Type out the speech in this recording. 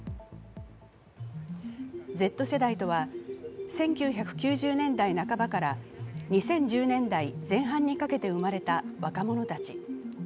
Ｚ世代とは１９９０年代半ばから２０１０年代前半にかけて生まれた若者たち。